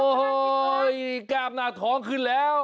โอ้โหกล้ามหน้าท้องขึ้นแล้ว